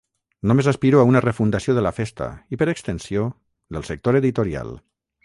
Només aspiro a una refundació de la festa i, per extensió, del sector editorial.